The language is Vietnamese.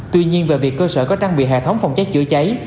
tuy nhiên về việc cơ sở có trang bị hệ thống phòng cháy chữa cháy